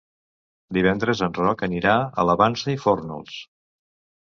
Divendres en Roc anirà a la Vansa i Fórnols.